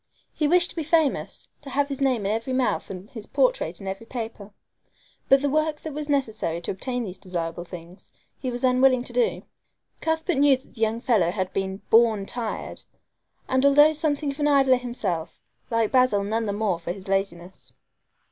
He wished to be famous, to have his name in every mouth and his portrait in every paper; but the work that was necessary to obtain these desirable things he was unwilling to do. Cuthbert knew that the young fellow had been "born tired"! and although something of an idler himself, liked Basil none the more for his laziness.